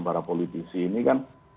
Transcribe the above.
para politisi ini kan